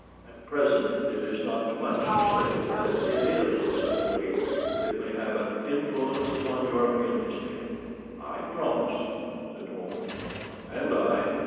At present it is not too much to say that it is of such weight that it may have an influence upon European history." "I promise," said Holmes. "And I."